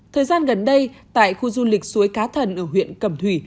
thời gian gần đây tại khu du lịch suối cá thần ở huyện cầm thủy